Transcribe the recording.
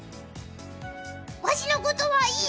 わしのことはいい！